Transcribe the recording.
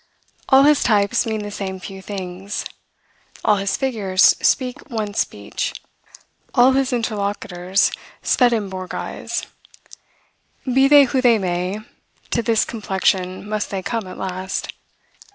All his types mean the same few things. All his figures speak one speech. All his interlocutors Swedenborgize. Be they who they may, to this complexion must they come at last.